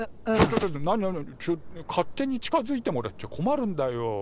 ちょっと勝手に近づいてもらっちゃ困るんだよ。